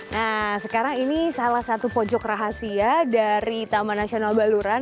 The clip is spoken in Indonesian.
nah sekarang ini salah satu pojok rahasia dari taman nasional baluran